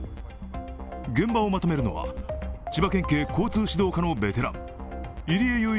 現場をまとめるのは、千葉県警交通指導課のベテラン入江雄一